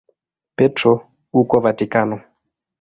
Petro huko Vatikano.